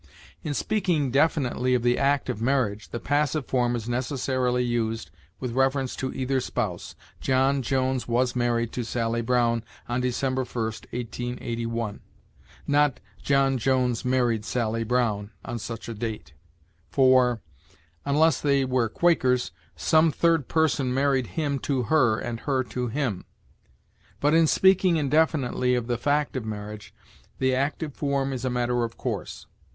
In speaking definitely of the act of marriage, the passive form is necessarily used with reference to either spouse. "John Jones was married to Sally Brown on Dec. 1, 1881"; not, "John Jones married Sally Brown" on such a date, for (unless they were Quakers) some third person married him to her and her to him. But, in speaking indefinitely of the fact of marriage, the active form is a matter of course.